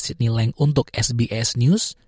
sidney leng untuk sbs news